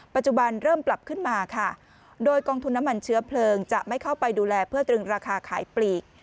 เริ่มปรับขึ้นมาค่ะโดยกองทุนน้ำมันเชื้อเพลิงจะไม่เข้าไปดูแลเพื่อตรึงราคาขายปลีก